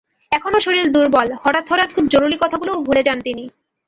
এখনো শরীর দুর্বল, হঠাৎ হঠাৎ খুব জরুরি কথাগুলোও ভুলে যান তিনি।